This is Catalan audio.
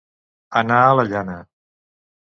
Anar a la llana.